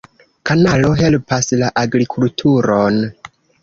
Kanalo helpas la agrikulturon.